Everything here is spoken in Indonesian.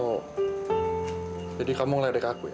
oh jadi kamu ngeledek aku ya